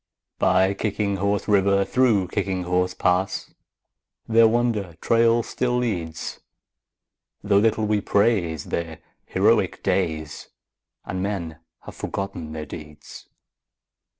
By Kicking Horse River, through Kicking Horse Pass, Their wonder trail still leads, Though little we praise their heroic days And men have forgotten their deeds.